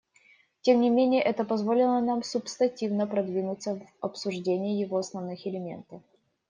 Тем не менее это позволило нам субстантивно продвинуться в обсуждении его основных элементов.